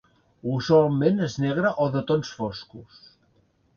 Usualment és negra o de tons foscos.